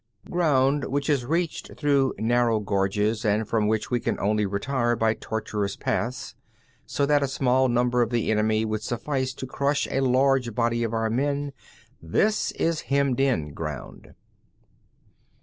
9. Ground which is reached through narrow gorges, and from which we can only retire by tortuous paths, so that a small number of the enemy would suffice to crush a large body of our men: this is hemmed in ground.